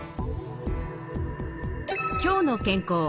「きょうの健康」